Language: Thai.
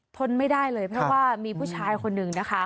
ทนไม่ได้เลยเพราะว่ามีผู้ชายคนหนึ่งนะคะ